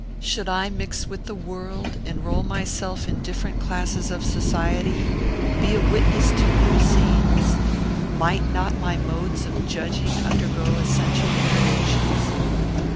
Should I mix with the world, enroll myself in different classes of society, be a witness to new scenes; might not my modes of judging undergo essential variations?